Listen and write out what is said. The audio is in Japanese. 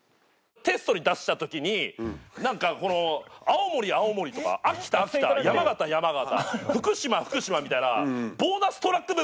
テストに出した時になんかこの「青森青森」とか「秋田秋田」「山形山形」「福島福島」みたいなボーナストラック部分あるんですよ。